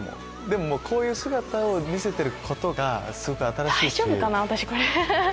でもこういう姿を見せてることがすごく新しい。